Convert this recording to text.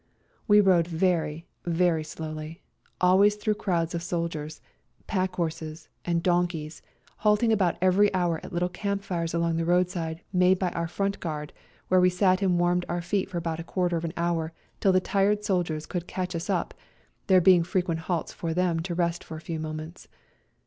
We rode very, very slowly, always through crowds of soldiers, pack horses and A COLD NIGHT RIDE 93 donkeys, halting about every hour at little camp fires along the roadside made by our front guard, where we sat and warmed our feet for about a quarter of an hour till the tired soldiers could catch us up, there being frequent halts for them to ^rest for a few minutes.